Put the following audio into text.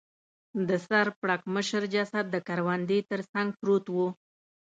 د سر پړکمشر جسد د کروندې تر څنګ پروت و.